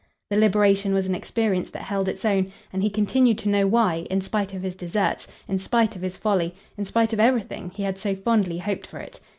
The liberation was an experience that held its own, and he continued to know why, in spite of his deserts, in spite of his folly, in spite of everything, he had so fondly hoped for it.